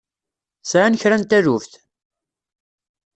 Sɛan kra n taluft?